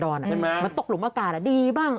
ใช่ไหมคะใช่ไหมคะมันตกหลุมอาการดีบ้าง